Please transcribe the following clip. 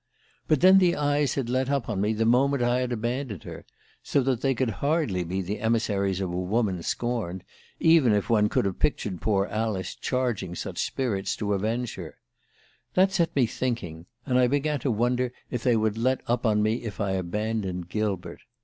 But then the eyes had let up on me the moment I had abandoned her, so they could hardly be the emissaries of a woman scorned, even if one could have pictured poor Alice charging such spirits to avenge her. That set me thinking, and I began to wonder if they would let up on me if I abandoned Gilbert.